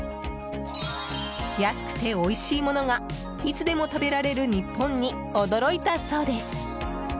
安くて、おいしいものがいつでも食べられる日本に驚いたそうです。